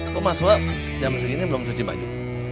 kok mas suha jam segini belum cuci baju